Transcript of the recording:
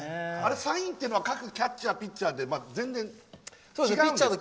サインというのは各キャッチャー、ピッチャーで全然、違うんですか？